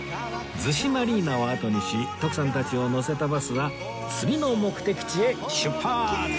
逗子マリーナをあとにし徳さんたちを乗せたバスは次の目的地へ出発！